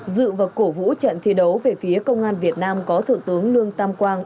dự và cổ vũ trận thi đấu về phía công an việt nam có thượng tướng lương tam quang